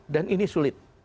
dan ini sulit